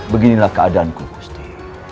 beginilah keadaanku busti